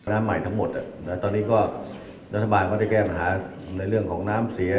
น้ำใหม่ทั้งหมดตอนนี้ก็รัฐบาลก็ได้แก้ปัญหาในเรื่องของน้ำเสีย